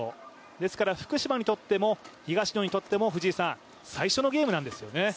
ですから福島にとっても、東野にとっても最初のゲームなんですよね。